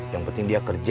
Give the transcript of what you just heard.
yang penting dia kerja